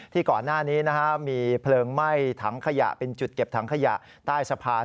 ก่อนหน้านี้มีเพลิงไหม้ถังขยะเป็นจุดเก็บถังขยะใต้สะพาน